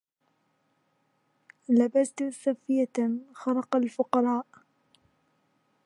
لبست صفية خرقة الفقراء